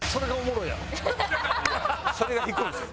それが引くんですよ。